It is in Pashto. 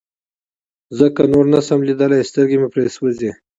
ځکه نور نشم ليدلى سترګې مې پرې سوزي.